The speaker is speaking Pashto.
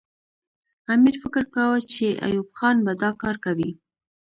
امیر فکر کاوه چې ایوب خان به دا کار کوي.